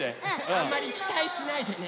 あんまりきたいしないでね。